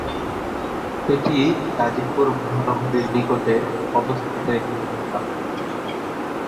এটি গাজীপুর মহানগরীর নিকটে অবস্থিত একটি এলাকা।